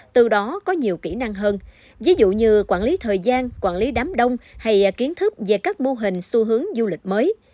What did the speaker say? từ đó có nhiều kỹ năng hơn ví dụ như quản lý thời gian quản lý đám đông hay kiến thức về các mô hình xu hướng du lịch mới